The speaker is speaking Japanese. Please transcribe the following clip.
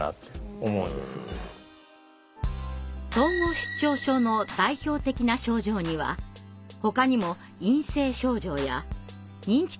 統合失調症の代表的な症状にはほかにも陰性症状や認知機能障害などがあります。